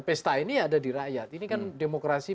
pesta ini ada di rakyat ini kan demokrasi